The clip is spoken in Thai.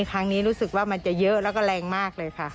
ครั้งนี้รู้สึกว่ามันจะเยอะแล้วก็แรงมากเลยค่ะ